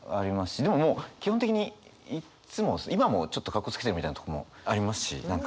でももう基本的にいっつも今もちょっとカッコつけてるみたいなとこもありますし。